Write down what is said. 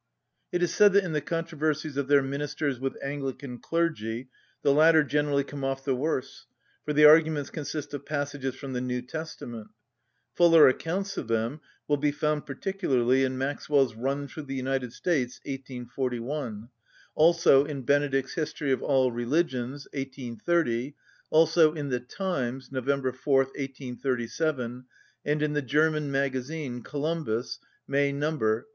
It is said that in the controversies of their ministers with Anglican clergy the latter generally come off the worse, for the arguments consist of passages from the New Testament. Fuller accounts of them will be found particularly in Maxwell's "Run through the United States," 1841; also in Benedict's "History of all Religions," 1830; also in the Times, November 4, 1837, and in the German magazine Columbus, May number, 1831.